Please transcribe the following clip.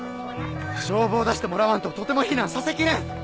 消防出してもらわんととても避難させ切れん！